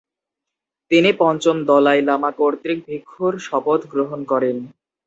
তিনি পঞ্চম Dalai Lama কর্তৃক ভিক্ষুর শপথ গ্রহণ করেন।